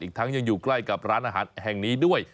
ทั้งยังอยู่ใกล้กับร้านอาหารแห่งนี้ด้วย